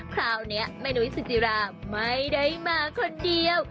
คราวนี้แม่นุ้ยสุจิราไม่ได้มาคนเดียว